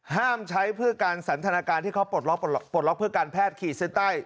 ห้ามใช้เพื่อการสันทนาการที่เขาปลดล็อกเพื่อการแพทย์ขีดเส้นใต้